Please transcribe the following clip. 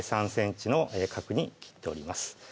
３ｃｍの角に切っております